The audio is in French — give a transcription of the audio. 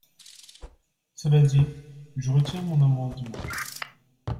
Cela dit, je retire mon amendement.